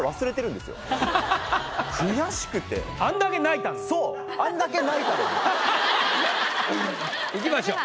いきましょう。